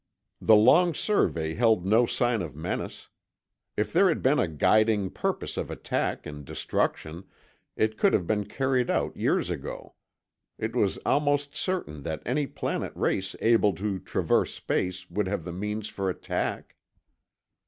The long survey held no sign of menace. If there had been a guiding purpose of attack and destruction, it could have been carried out years ago. It was almost certain that any planet race able to traverse space would have the means for attack.